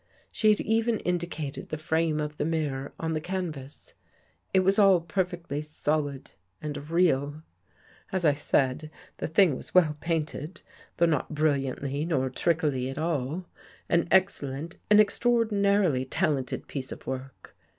She had even indicated the frame of the mirror on the canvas. It was all per fectly solid and real. As I said, the thing was well 42 WHAT JEFFREY SAW painted, though not brilliantly nor trickily at all. An excellent, an extraordinarily talented piece of work.